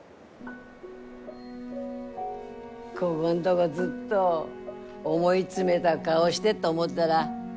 こごんどごずっと思い詰めだ顔してっと思ったら。